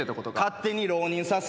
勝手に浪人さす